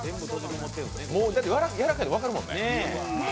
もうやらかいの分かるもんね。